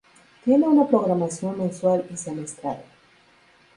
Tiene una programación mensual y semestral.